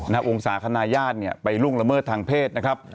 นะครับองศาขณะญาติเนี่ยไปล่วงละเมิดทางเพศนะครับ